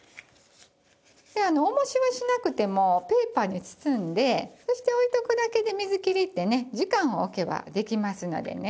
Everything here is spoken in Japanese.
重しはしなくてもペーパーに包んでそして置いておくだけで水切りってね時間をおけばできますのでね。